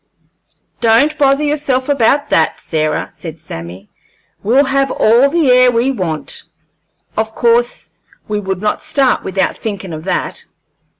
"Don't bother yourself about that, Sarah," said Sammy. "We'll have all the air we want; of course we would not start without thinkin' of that."